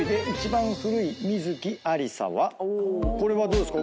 これはどうですか？